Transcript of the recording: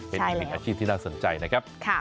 เป็นอีกอีกอาชีพที่น่าสนใจนะครับใช่แล้ว